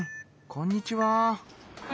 こんにちは。